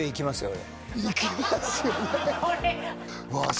俺行きますよねわあ